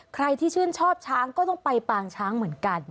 ใครที่ชื่นชอบช้างก็ต้องไปปางช้างเหมือนกัน